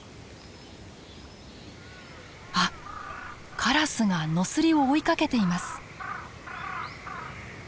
あっカラスがノスリを追いかけています。